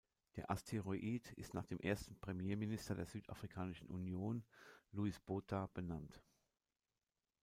Der Asteroid ist nach dem ersten Premierminister der Südafrikanischen Union, Louis Botha, benannt.